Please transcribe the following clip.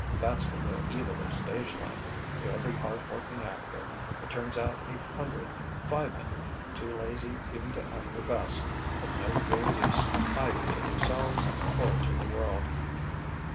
That's the real evil of stage life: to every hard working actor it turns out a hundred five hundred too lazy even to act their best, of no real use either to themselves or to the world."